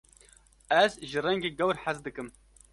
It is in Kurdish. Ez ji rengê gewr hez dikim.